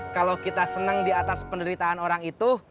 kalau kita seneng diatas penderitaan orang itu